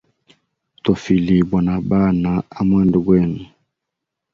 Tofilibwa na bana amwanda gwenu.